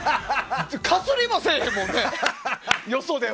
かすりもせえへんもんねよそでは。